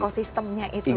ekosistemnya itu ya